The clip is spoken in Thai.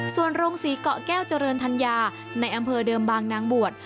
ส่วนโรงศรีเกาะแก้วเจริญธัญญาในอำเภอเดิมบางนางบวช